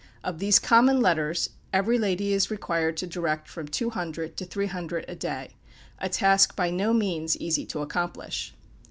Of these "Common" letters, every lady is required to direct from two hundred to three hundred a day a task by no means easy to accomplish.